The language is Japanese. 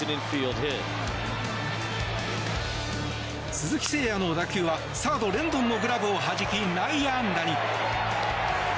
鈴木誠也の打球はサード、レンドンのグラブをはじき内野安打に。